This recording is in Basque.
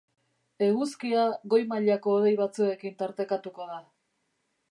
Eguzkia goi-mailako hodei batzuekin tartekatuko da.